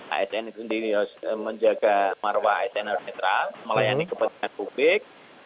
asn itu sendiri harus menjaga marwah asn harus netral melayani kepentingan publik